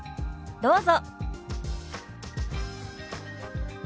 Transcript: どうぞ。